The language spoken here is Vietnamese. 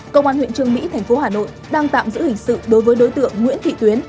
công an huyện trương mỹ thành phố hà nội đang tạm giữ hình sự đối với đối tượng nguyễn thị tuyến